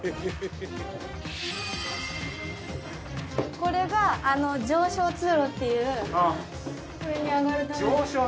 これが上昇通路っていう上に上がるための。